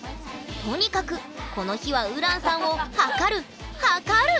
とにかくこの日はＵｒａＮさんを測る！